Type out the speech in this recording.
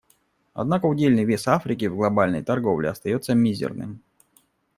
Однако удельный вес Африки в глобальной торговле остается мизерным.